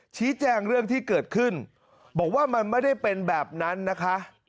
ชี้แจงเรื่องที่เกิดขึ้นบอกว่ามันไม่ได้เป็นแบบนั้นนะคะ